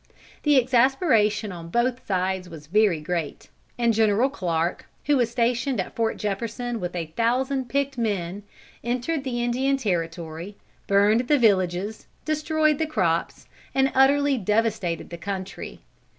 The exasperation on both sides was very great, and General Clark, who was stationed at Fort Jefferson with a thousand picked men, entered the Indian territory, burned the villages, destroyed the crops, and utterly devastated the country.